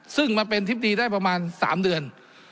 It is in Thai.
ซึ่งมาเป็นทิบดีได้ประมาณ๓เดือน